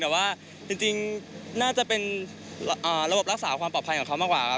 แต่ว่าจริงน่าจะเป็นระบบรักษาความปลอดภัยของเขามากกว่าครับ